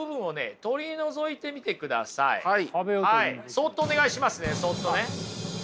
そっとお願いしますねそっとね。